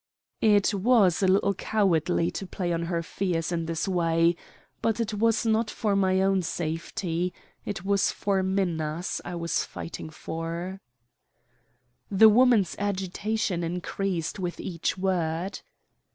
It was a little cowardly to play on her fears in this way; but it was not my own safety it was Minna's I was fighting for. The woman's agitation increased with each word.